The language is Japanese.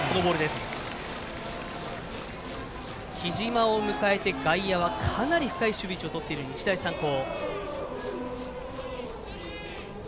木嶋を迎えて、外野はかなり深い位置を取っている日大三高。